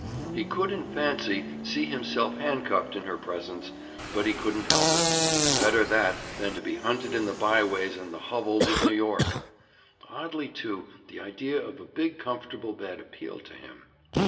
He could in fancy, see himself handcuffed in her presence, but he couldn't help it. Better that, than to be hunted in the byways and hovels of New York! Oddly, too, the idea of a big comfortable bed appealed to him.